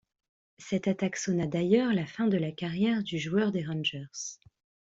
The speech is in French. Cette attaque sonna d'ailleurs la fin de la carrière du joueur des Rangers.